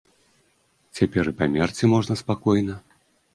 Цяпер і памерці можна спакойна.